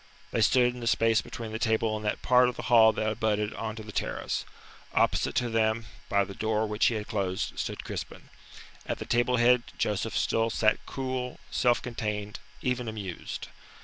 They stood in the space between the table and that part of the hall that abutted on to the terrace; opposite to them, by the door which he had closed, stood Crispin. At the table head Joseph still sat cool, self contained, even amused.